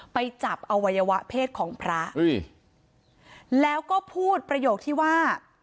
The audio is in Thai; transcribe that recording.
ไปจับอวัยวะเพศของพระอุ้ยแล้วก็พูดประโยคที่ว่า